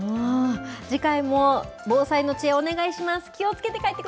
次回も防災の知恵、お願いします。